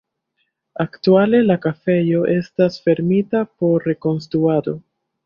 Aktuale la kafejo estas fermita por rekonstruado.